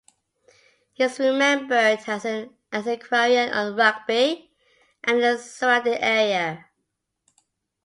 He is remembered as an antiquarian on Rugby and the surrounding area.